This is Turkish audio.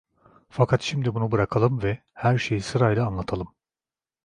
Fakat şimdi bunu bırakalım ve her şeyi sırasıyla anlatalım.